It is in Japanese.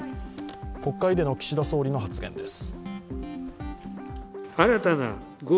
国会での岸田総理の発言です。